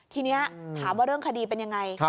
ทีนี้ถามว่าเรื่องคดีเป็นยังไง